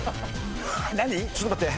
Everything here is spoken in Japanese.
ちょっと待って。